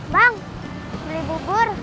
bang beli bubur